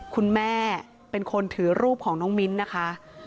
คุณแม่เป็นคนถือรูปของน้องมิ้นนะคะ